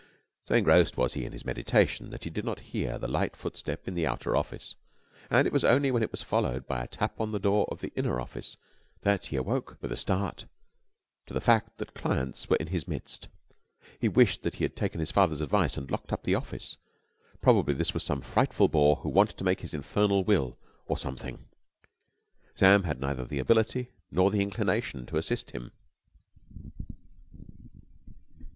So engrossed was he in his meditation that he did not hear the light footstep in the outer office, and it was only when it was followed by a tap on the door of the inner office that he awoke with a start to the fact that clients were in his midst. He wished that he had taken his father's advice and locked up the office. Probably this was some frightful bore who wanted to make his infernal will or something, and Sam had neither the ability nor the inclination to assist him.